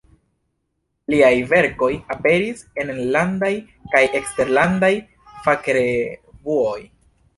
Liaj verkoj aperis en enlandaj kaj eksterlandaj fakrevuoj.